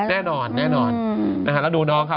แน่นนอนแน่นนอนแล้วดูน้องครับ